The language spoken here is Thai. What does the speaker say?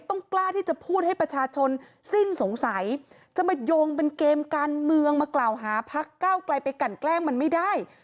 กล้าที่จะพูดให้ประชาชนสิ้นสงสัยจะมาโยงเป็นเกมการเมืองมากล่าวหาพักเก้าไกลไปกันแกล้งมันไม่ได้